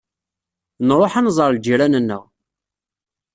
Nruḥ ad d-nẓer lǧiran-nneɣ.